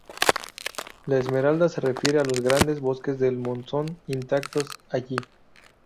La Esmeralda se refiere a los grandes bosques del monzón intactos allí.